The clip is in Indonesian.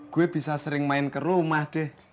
gue bisa sering main ke rumah deh